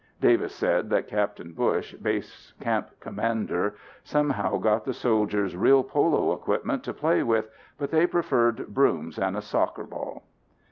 Davis said that Capt. Bush, base camp commander, somehow got the soldiers real polo equipment to play with but they preferred brooms and a soccer ball.